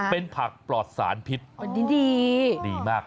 เป็นผักปลอดสารพิษดีดีมาก